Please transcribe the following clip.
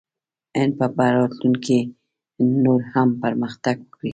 هند به په راتلونکي کې نور هم پرمختګ وکړي.